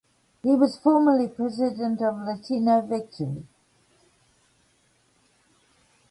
He was formerly president of Latino Victory.